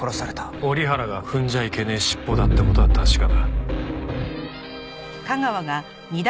折原が踏んじゃいけねえシッポだって事は確かだ。